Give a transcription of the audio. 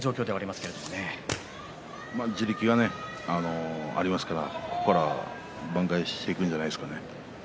まあ地力がありますからここから挽回していくんじゃないですかね。